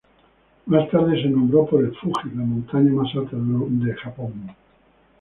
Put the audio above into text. Más tarde se nombró por el Fuji, la montaña más alta de Japón.